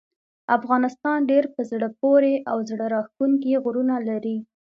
افغانستان ډیر په زړه پورې او زړه راښکونکي غرونه لري.